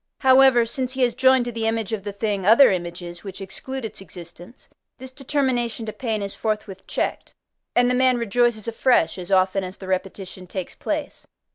However, since he has joined to the image of the thing other images, which exclude its existence, this determination to pain is forthwith checked, and the man rejoices afresh as often as the repetition takes place.